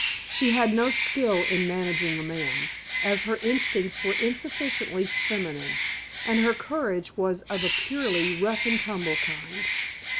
She had no skill in managing a man, as her instincts were insufficiently feminine, and her courage was of a purely rough and tumble kind.